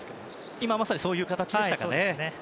今まさにそういう形でしたかね。